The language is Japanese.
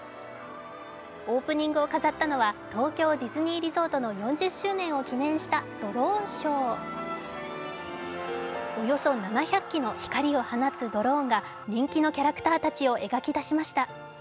オープニングを飾ったのは東京ディズニーリゾートの４０周年を記念したドローンショー、およそ７００機の光を放つドローンが人気のキャラクターたちを描き出しました。